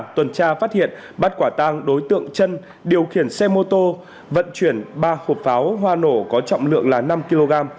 tuần tra phát hiện bắt quả tang đối tượng chân điều khiển xe mô tô vận chuyển ba hộp pháo hoa nổ có trọng lượng là năm kg